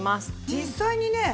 実際にね